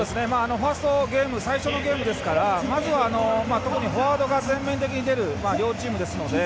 ファーストゲーム最初のゲームですからまずは、特にフォワードが全面的に出る両チームですので。